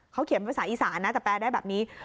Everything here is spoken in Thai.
เขาเขียนภาษาอีสานนะแต่แปลได้แบบนี้